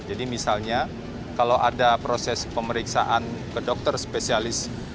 jadi misalnya kalau ada proses pemeriksaan ke dokter spesialis